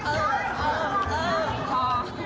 เออเออ